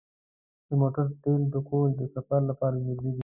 د موټر تیلو ډکول د سفر لپاره ضروري دي.